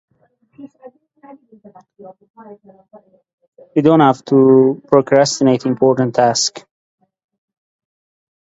Joseph Grieco has combined neo-realist thinking with more traditional realists.